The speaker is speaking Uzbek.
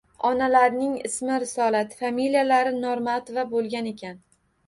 Onalarining ismi Risolat, familiyalari Normatova bo‘lgan ekan.